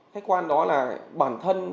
khách quan đó là bản thân